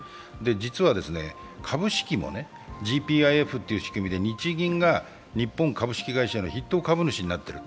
実は株式もＧＰＩＦという仕組みで日銀が日本株式会社の筆頭株主になっている。